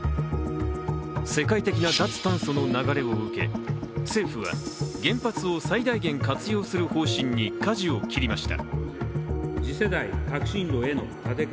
世界的な脱炭素の流れを受け政府は原発を最大限活用する方針にかじを切りました。